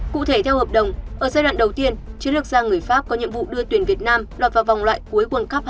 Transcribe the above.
cụ thể theo hợp đồng ở giai đoạn đầu tiên chiến lược gia người pháp có nhiệm vụ đưa tuyển việt nam lọt vào vòng loại cuối world cup hai nghìn